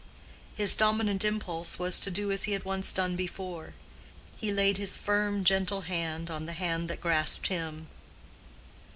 His dominant impulse was to do as he had once done before: he laid his firm, gentle hand on the hand that grasped him.